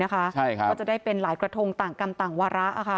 ก็จะได้เป็นหลายกระทงต่างกรรมต่างวาระ